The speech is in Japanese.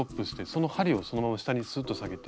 その針をそのまま下にスッと下げて。